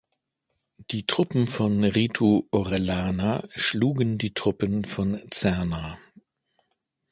Die Truppen von Rito Orellana schlugen die Truppen von Cerna.